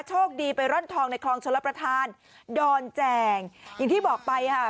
โชคดีไปร่อนทองในคลองชลประธานดอนแจ่งอย่างที่บอกไปค่ะ